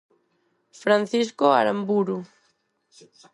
Francisco Aramburu.